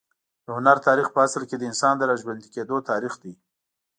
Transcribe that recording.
د هنر تاریخ په اصل کې د انسان د راژوندي کېدو تاریخ دی.